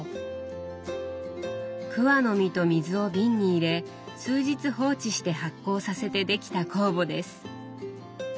桑の実と水を瓶に入れ数日放置して発酵させてできた酵母です。